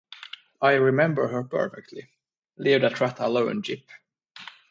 I remember her perfectly. Leave that rat alone, Jip!